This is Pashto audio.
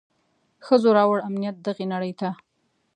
ښځو راووړ امنيت دغي نړۍ ته.